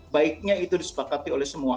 baiknya itu disepakati oleh semua